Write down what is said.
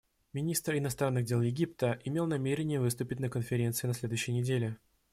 Министр иностранных дел Египта имел намерение выступить на Конференции на следующей неделе.